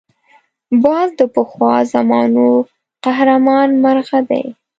باز د پخوا زمانو قهرمان مرغه دی